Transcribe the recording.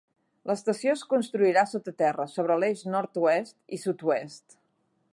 L"estació es construirà sota terra, sobre l"eix nord-oest i sud-oest.